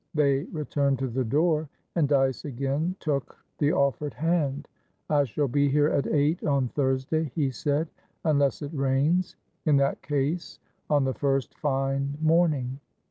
They returned to the door, and Dyce again took the offered hand. "I shall be here at eight on Thursday," he said. "Unless it rains. In that case, on the first fine morning."